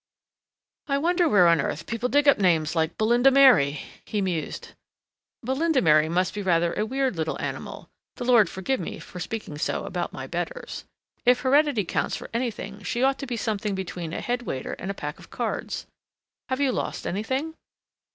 "I wonder where on earth people dig up names like Belinda Mary?" he mused. "Belinda Mary must be rather a weird little animal the Lord forgive me for speaking so about my betters! If heredity counts for anything she ought to be something between a head waiter and a pack of cards. Have you lost anything'?"